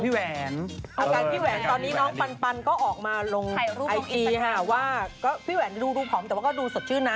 แหวนอาการพี่แหวนตอนนี้น้องปันก็ออกมาลงไอจีค่ะว่าก็พี่แหวนดูผอมแต่ว่าก็ดูสดชื่นนะ